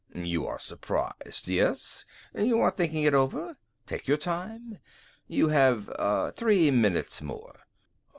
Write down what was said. "You are surprised, yes? You are thinking it over? Take your time you have three minutes more.